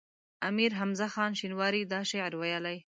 امیر حمزه خان شینواری دا شعر ویلی.